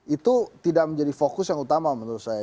itu tidak menjadi fokus yang utama menurut saya